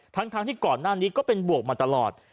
ทั้งที่ก่อนหน้านี้ก็เป็นบวกมาตลอด